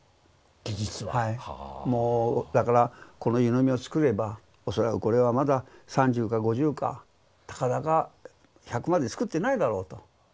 もうだからこの湯飲みを作れば恐らくこれはまだ３０か５０かたかだか１００まで作ってないだろうと。